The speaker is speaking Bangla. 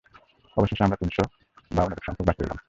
অবশেষে আমরা তিনশ বা অনুরূপ সংখ্যক বাকি রইলাম।